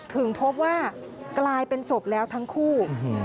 ถึงพบว่ากลายเป็นศพแล้วทั้งคู่